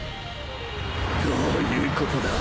どういうことだ！？